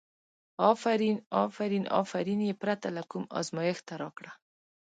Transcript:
افرین افرین، افرین یې پرته له کوم ازمېښته راکړه.